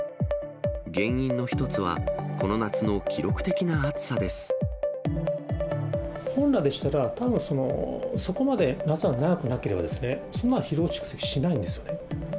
原因の一つはこの夏の記録的な暑本来でしたら、たぶん、そこまで夏が長くなければ、そんな疲労蓄積しないんですよね。